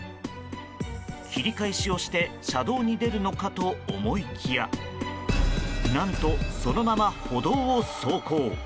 切り返しをして車道に出るのかと思いきや何と、そのまま歩道を走行。